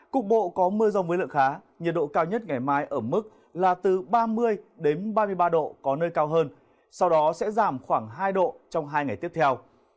cục bộ có mưa rông với lượng khá nhiệt độ cao nhất ngày mai ở mức là từ ba mươi ba mươi ba độ có nơi cao hơn sau đó sẽ giảm khoảng hai độ trong hai ngày tiếp theo